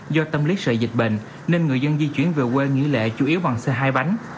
do tâm lý sợi dịch bệnh nên người dân di chuyển về quê nghỉ lễ chủ yếu bằng xe hai bánh